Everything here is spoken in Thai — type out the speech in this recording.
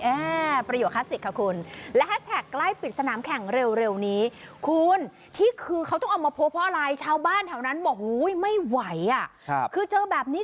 อ่าประโยชน์คลาสสิกครับคุณ